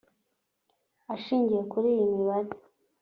Ashingiye kuri iyi mibare